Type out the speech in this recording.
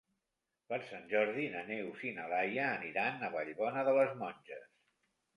Per Sant Jordi na Neus i na Laia aniran a Vallbona de les Monges.